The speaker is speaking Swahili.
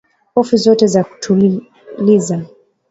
Hofu zote za tuliza